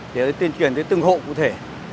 để tiên truyền tới từng hộ cụ thể